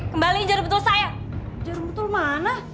kembali jarum betul saya